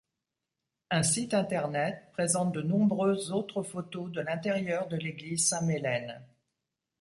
Un site Internet présente de nombreuses autres photos de l'intérieur de l'église Saint-Mélaine.